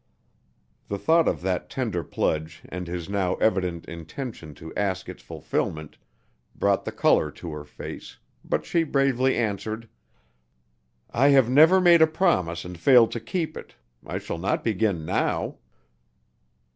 The thought of that tender pledge and his now evident intention to ask its fulfillment brought the color to her face, but she bravely answered: "I have never made a promise and failed to keep it. I shall not begin now."